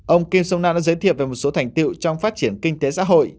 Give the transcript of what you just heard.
ông kim sông nam đã giới thiệu về một số thành tiệu trong phát triển kinh tế xã hội